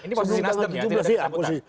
ini posisi nasdem ya tidak ada ketakutan